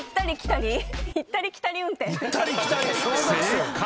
行ったり来たり運転。